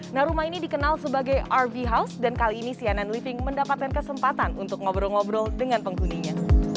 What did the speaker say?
nah rumah ini dikenal sebagai rv house dan kali ini cnn living mendapatkan kesempatan untuk ngobrol ngobrol dengan penghuninya